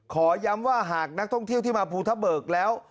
ขอย้ำว่าหากนักท่องเที่ยวที่มาภูทะเบิกแล้ว